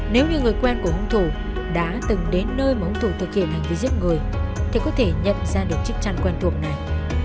nếu như người quen của hung thủ đã từng đến nơi mà ông thủ thực hiện hành vi giết người thì có thể nhận ra được chiếc chăn quen thuộc này